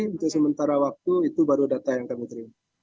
untuk sementara waktu itu baru data yang kami terima